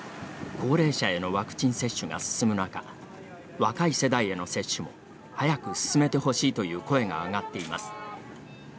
高齢者へのワクチン接種が進む中若い世代への接種も早く進めてほしいという声が上がっています。